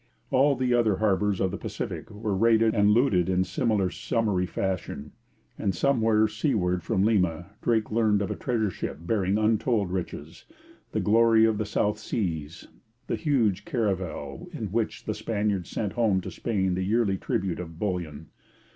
All the other harbours of the Pacific were raided and looted in similar summary fashion; and, somewhere seaward from Lima, Drake learned of a treasure ship bearing untold riches the Glory of the South Seas the huge caravel in which the Spaniards sent home to Spain the yearly tribute of bullion.